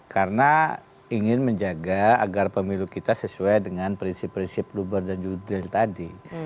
karena ingin menjaga agar pemilu kita sesuai dengan prinsip prinsip lubar dan judil tadi